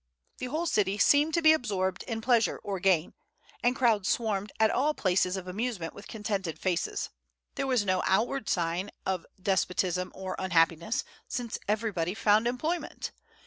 The whole city seemed to be absorbed in pleasure or gain, and crowds swarmed at all places of amusement with contented faces: there was no outward sign of despotism or unhappiness, since everybody found employment.